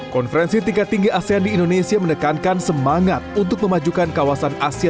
konferensi tingkat tinggi asean di indonesia menekankan semangat untuk memajukan kawasan asia